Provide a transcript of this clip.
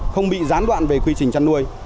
không bị gián đoạn về quy trình chăn nuôi